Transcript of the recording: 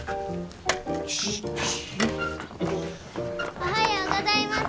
おはようございます。